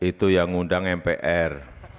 itu yang mengundang mpr